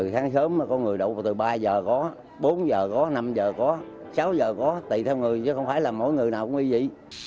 sáng sớm có người đậu từ ba giờ có bốn giờ có năm giờ có sáu giờ có tùy theo người chứ không phải là mỗi người nào cũng có vậy